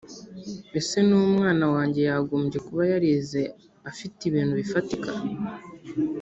Ese n’umwana wanjye yagombye kuba yarize afite ibintu bifatika